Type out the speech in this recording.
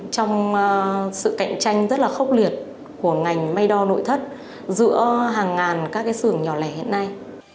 trong sự cạnh tranh rất là khốc liệt của ngành may đo nội thất giữa hàng ngàn các cái xưởng nhỏ lẻ hiện nay